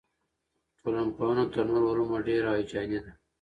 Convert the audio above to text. ټولنپوهنه تر نورو علومو ډېره هیجاني ده.